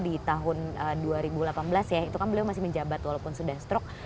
di tahun dua ribu delapan belas ya itu kan beliau masih menjabat walaupun sudah stroke